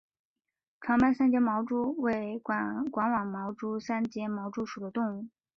长斑三栉毛蛛为管网蛛科三栉毛蛛属的动物。